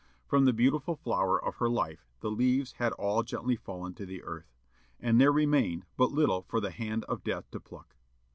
From the beautiful flower of her life the leaves had all gently fallen to the earth; and there remained but little for the hand of death to pluck.